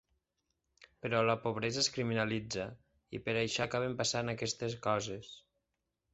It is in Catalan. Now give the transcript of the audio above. Però la pobresa es criminalitza i per això acaben passant aquestes coses.